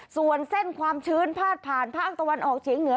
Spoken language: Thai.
ส่วนเส้นความชื้นพาดผ่านภาคตะวันออกเฉียงเหนือ